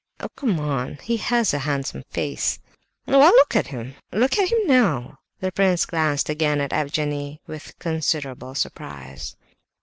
"Oh, come! He has a handsome face." "Why, look at him—look at him now!" The prince glanced again at Evgenie Pavlovitch with considerable surprise.